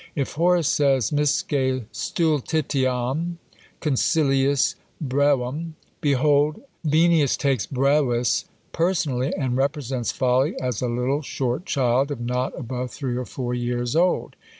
If Horace says, "Misce stultitiam CONSILIIS BREVEM," behold, Venius takes brevis personally, and represents Folly as a little short child! of not above three or four years old!